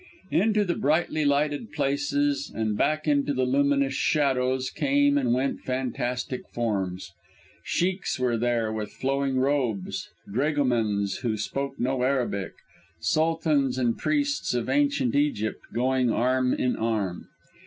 Into the brightly lighted places and back into the luminous shadows came and went fantastic forms. Sheikhs there were with flowing robes, dragomans who spoke no Arabic, Sultans and priests of Ancient Egypt, going arm in arm.